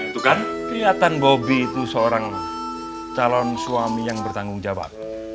itu kan kelihatan bobi itu seorang calon suami yang bertanggung jawab